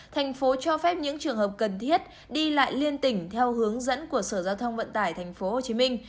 thành phố cho phép những trường hợp cần thiết đi lại liên tỉnh theo hướng dẫn của sở giao thông vận tải tp hcm